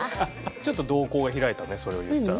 ちょっと瞳孔が開いたねそれを言ったら。